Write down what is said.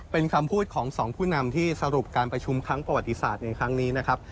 เป็นคำพูดของสองผู้นำที่สรุปการประชุมครั้งประวัติศาสตร์ในครั้งนี้นะครับ